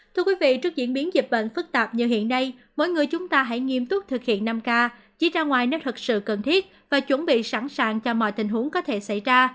thưa quý vị trước diễn biến dịch bệnh phức tạp như hiện nay mỗi người chúng ta hãy nghiêm túc thực hiện năm k chỉ ra ngoài nên thật sự cần thiết và chuẩn bị sẵn sàng cho mọi tình huống có thể xảy ra